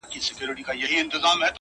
زه د ملي بیرغ په رپ ـ رپ کي اروا نڅوم،